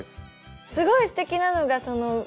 すごいすてきなのが裏。